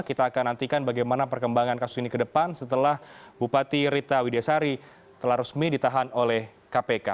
kita akan nantikan bagaimana perkembangan kasus ini ke depan setelah bupati rita widiasari telah resmi ditahan oleh kpk